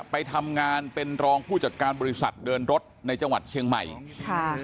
ไปทำงานเป็นรองผู้จัดการบริษัทเดินรถในจังหวัดเชียงใหม่ค่ะ